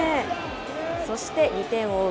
そして２点を追う